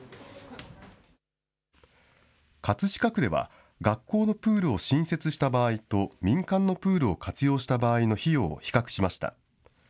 葛飾区では、学校のプールを新設した場合と民間のプールを活用した場合の費用を比較しました。